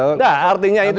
nah artinya itu